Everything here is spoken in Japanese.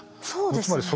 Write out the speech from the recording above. そうですね。